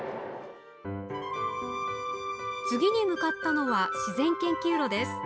次に向かったのは自然研究路です。